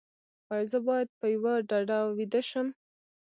ایا زه باید په یوه ډډه ویده شم؟